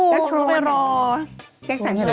ได้ชั่วไปรอ